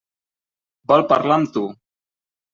Vol parlar amb tu.